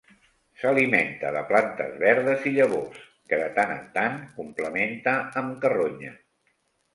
S'alimenta de plantes verdes i llavors que de tant en tant complementa amb carronya.